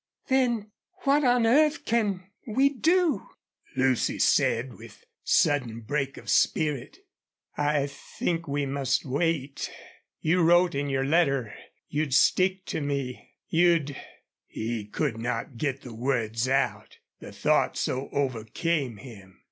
"Then what on earth can we do?" Lucy said, with sudden break of spirit. "I think we must wait. You wrote in your letter you'd stick to me you'd " He could not get the words out, the thought so overcame him.